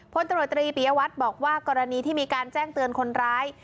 พลตรวจตรีปียวัตรบอกว่ากรณีที่มีการแจ้งเตือนคนร้าย